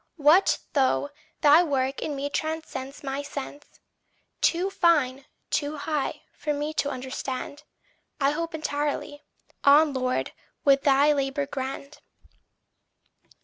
What though thy work in me transcends my sense Too fine, too high, for me to understand I hope entirely. On, Lord, with thy labour grand.